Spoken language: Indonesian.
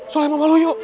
soalnya emang malu yuk